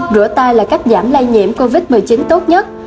rửa tay là cách giảm lây nhiễm covid một mươi chín tốt nhất